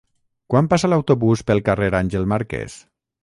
Quan passa l'autobús pel carrer Àngel Marquès?